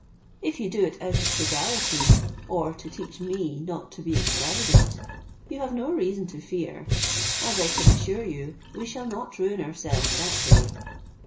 If you do it out of frugality, or to teach me not to be extravagant, you have no reason to fear, as I can assure you we shall not ruin ourselves that way.